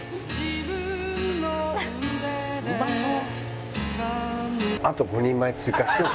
「うまそう！」